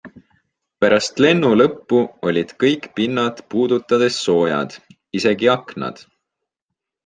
Pärast lennu lõppu olid kõik pinnad puudutades soojad, isegi aknad.